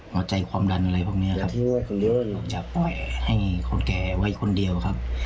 หัวใจความดันอะไรพวกนี้ครับเยอะอย่าปล่อยให้คนแก่ไว้คนเดียวครับ